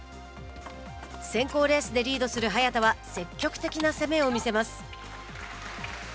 選考レースでリードする早田は積極的な攻めを見せます。